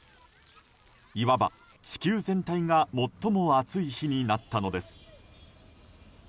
いわば地球全体が最も暑い日になったのです。